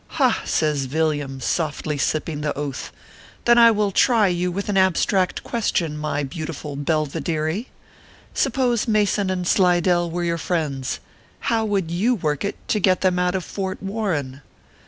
"Ha!" says Villiam, softly sipping the Oath, " then I will try you with an abstract question, my beautiful Belvideary. Supposing Mason and Slidell were your friends, how would you work it to get them out of Fort Warren